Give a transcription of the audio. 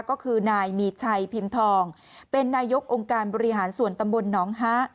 ก็คือนายมีชัยพิมพ์ทองเป็นนายกองค์การบริหารส่วนตำบลหนองฮะ